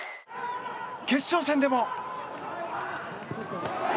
決勝戦でも。